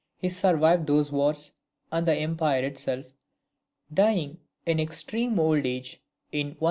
He survived those wars, and the empire itself, dying in extreme old age in 1820.